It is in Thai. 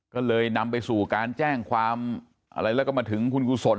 ก็เลยนำไปสู่การแจ้งความอะไรแล้วก็มาถึงคุณกุศล